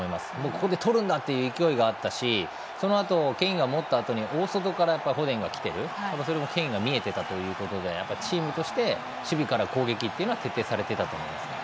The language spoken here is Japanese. ここで、とるんだという勢いがあったしそのあとケインが持ったあとに大外からフォデンがきてるそれもケインが見えていたということでチームとして守備から攻撃というのは徹底されていたと思いますね。